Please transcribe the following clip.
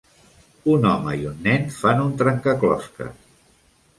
Un home i un nen fan un trencaclosques.